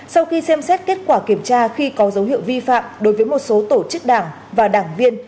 sau khi xem xét kết quả kiểm tra khi có dấu hiệu vi phạm đối với một số tổ chức đảng và đảng viên